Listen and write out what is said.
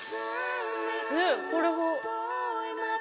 ねっこれは。